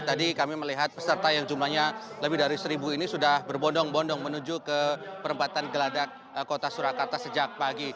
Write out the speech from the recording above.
tadi kami melihat peserta yang jumlahnya lebih dari seribu ini sudah berbondong bondong menuju ke perempatan geladak kota surakarta sejak pagi